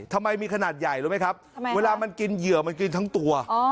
ทำไมมีขนาดใหญ่รู้ไหมครับเวลามันกินเหยื่อมันกินทั้งตัว